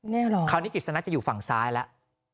นี่หรอคราวนี้กิศนัทจะอยู่ฝั่งซ้ายแล้ว